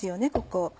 ここ。